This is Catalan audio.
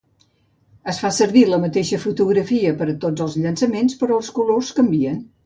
Es fa servir la mateixa fotografia per a tots els llançaments, però els colors canvien.